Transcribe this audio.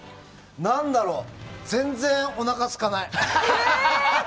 何だろう全然おなかすかない。